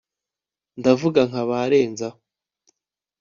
ndavuga nka ba renzaho